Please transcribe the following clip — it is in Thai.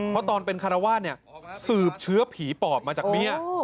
เพราะตอนเป็นคารวาสเนี่ยสืบเชื้อผีปอบมาจากเมีย